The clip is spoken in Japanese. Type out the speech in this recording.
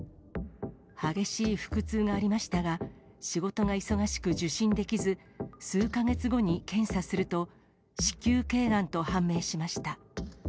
激しい腹痛がありましたが、仕事が忙しく、受診できず、数か月後に検査すると、子宮けいがんと判明しました。